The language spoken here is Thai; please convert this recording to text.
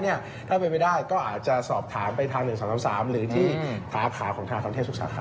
หากไม่เป็นได้ก็อาจสอบฐาน๑๒๓หรือที่พาร์ตขอบค่าของธนธรรมเทพศึกษาค่ะ